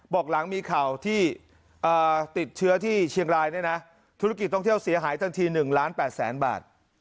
บอกหลังมีข่าวที่ติดเชื้อที่เชียงรายเนี่ยนะธุรกิจท่องเที่ยวเสียหายทันที๑ล้าน๘แสนบาท